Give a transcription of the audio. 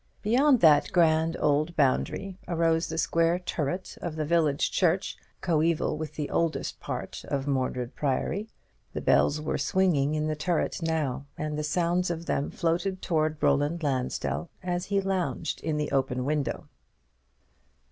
Beyond that grand old boundary arose the square turret of the village church, coeval with the oldest part of Mordred Priory. The bells were swinging in the turret now, and the sound of them floated towards Roland Lansdell as he lounged in the open window.